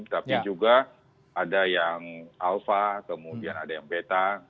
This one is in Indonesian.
tapi juga ada yang alpha kemudian ada yang beta